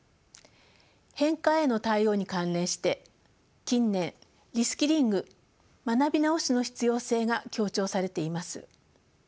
変化への対応に関連して近年リスキリング学び直しの必要性が強調されています。